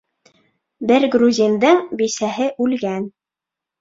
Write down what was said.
Бер грузиндың бисәһе үлгән.